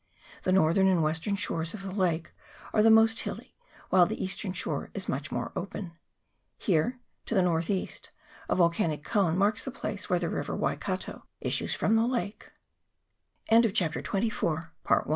The northern and western shores of the lake are the most hilly, while the eastern shore is much more open. Here, to the north east, a vol canic cone marks the place where the river Wai kato issues from the